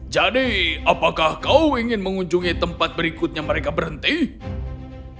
jadi apakah kau ingin mengunjungi tempat berikutnya mereka berhentian